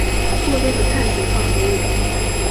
过多的碳水化合物